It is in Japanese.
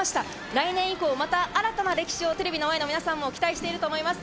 来年以降、また新たな歴史をテレビの前の皆さんも期待していると思います。